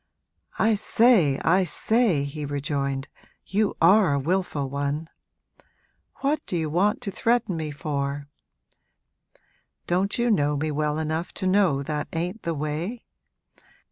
'I say, I say,' he rejoined, 'you are a wilful one! What do you want to threaten me for? Don't you know me well enough to know that ain't the way?